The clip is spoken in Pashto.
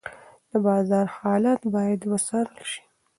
د بازار حالت باید وڅارل شي.